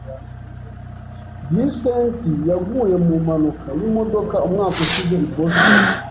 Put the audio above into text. Visenti yaguye mu mpanuka y'imodoka umwaka ushize i Boston.